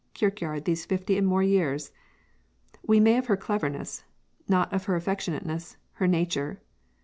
Kirkyard these fifty and more years? We may of her cleverness, not of her affectionateness, her nature.